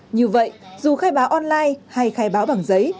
như vậy dù khai báo online hay khai báo bằng giấy